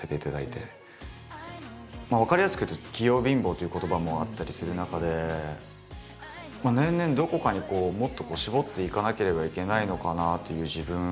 分かりやすく言うと「器用貧乏」という言葉もあったりする中で年々どこかにこうもっと絞っていかなければいけないのかなという自分。